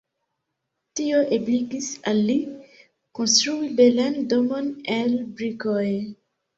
Tio ebligis al li konstrui belan domon el brikoj.